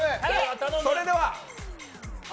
それでは。